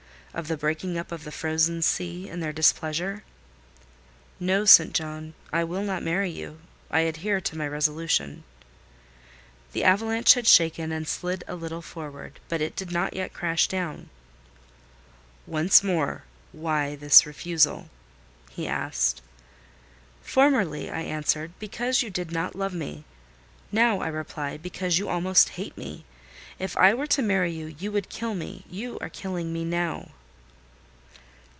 of the breaking up of the frozen sea in their displeasure? "No. St. John, I will not marry you. I adhere to my resolution." The avalanche had shaken and slid a little forward, but it did not yet crash down. "Once more, why this refusal?" he asked. "Formerly," I answered, "because you did not love me; now, I reply, because you almost hate me. If I were to marry you, you would kill me. You are killing me now."